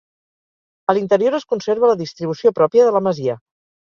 A l'interior es conserva la distribució pròpia de la masia.